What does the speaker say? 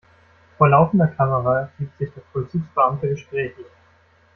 Vor laufender Kamera gibt sich der Vollzugsbeamte gesprächig.